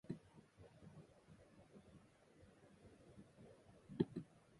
Truck farming and commercial fishing industry remain as well.